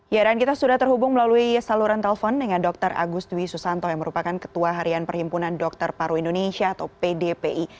ya dan kita sudah terhubung melalui saluran telepon dengan dr agus dwi susanto yang merupakan ketua harian perhimpunan dokter paru indonesia atau pdpi